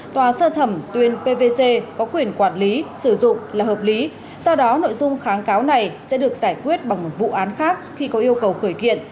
tòa sơ thẩm tuyên pvc có quyền quản lý sử dụng là hợp lý do đó nội dung kháng cáo này sẽ được giải quyết bằng một vụ án khác khi có yêu cầu khởi kiện